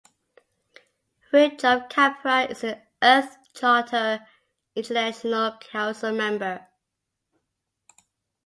Fritjof Capra is an Earth Charter International Council member.